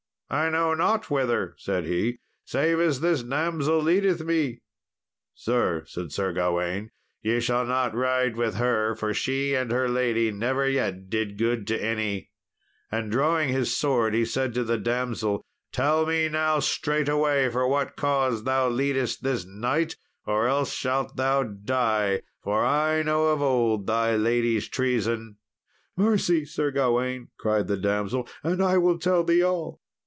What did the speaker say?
"I know not whither," said he, "save as this damsel leadeth me." "Sir," said Sir Gawain, "ye shall not ride with her, for she and her lady never yet did good to any;" and, drawing his sword, he said to the damsel, "Tell me now straightway for what cause thou leadest this knight or else shalt thou die; for I know of old thy lady's treason." "Mercy, Sir Gawain," cried the damsel, "and I will tell thee all."